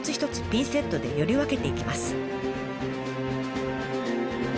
ピンセットでより分けていきます。